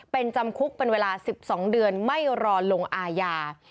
เป็นจำคุกเป็นเวลา๑๒เดือนไม่รอลงอาญา